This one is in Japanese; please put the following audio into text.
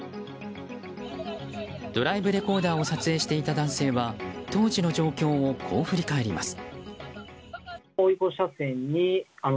ドライブレコーダーを撮影していた男性は当時の状況をこう振り返ります。